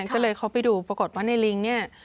ก็เลยเข้าไปดูปรากฏว่าในลิงเนี่ย